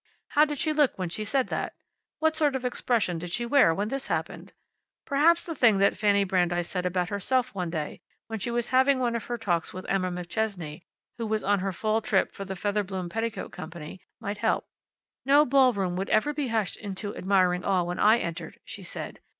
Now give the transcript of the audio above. How did she look when she said that? What sort of expression did she wear when this happened? Perhaps the thing that Fanny Brandeis said about herself one day, when she was having one of her talks with Emma McChesney, who was on her fall trip for the Featherbloom Petticoat Company, might help. "No ballroom would ever be hushed into admiring awe when I entered," she said.